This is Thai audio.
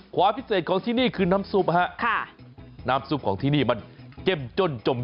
ความพิเศษของที่นี่คือน้ำซุปฮะค่ะน้ำซุปของที่นี่มันเจ้มจ้นจม